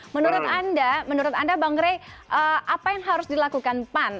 menurut anda bang ray apa yang harus dilakukan pan